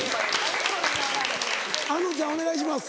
あのちゃんお願いします。